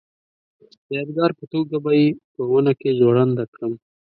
د یادګار په توګه به یې په ونه کې ځوړنده کړم.